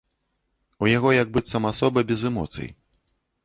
У яго як быццам асоба без эмоцый.